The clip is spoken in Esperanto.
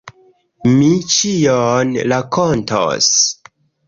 Mi ĉion rakontos!